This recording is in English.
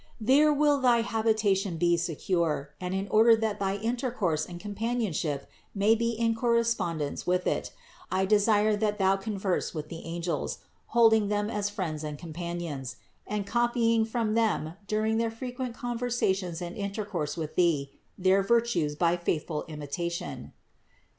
There will thy habitation be secure ; and in order that thy intercourse and companion ship may be in correspondence with it, I desire that thou converse with the angels, holding them as friends and companions, and copying from them, during their fre quent conversations and intercourse with thee, their vir tues by faithful imitation."